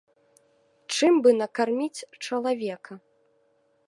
Чым бы накарміць чалавека?